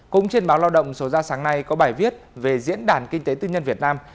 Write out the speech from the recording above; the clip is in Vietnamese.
cũng trên báo lao động số ra sáng nay có bài viết về diễn đàn kinh tế tư nhân việt nam